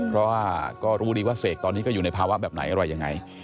เพราะว่าก็รู้ดีว่าเสกตอนนี้ก็อยู่ในภาวะแบบไหนอะไรยังไง